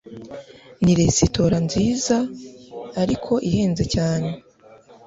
Ni resitora nziza, ariko ihenze cyane.